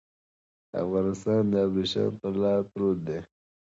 افغانستان د ابريښم پر لار پروت دی.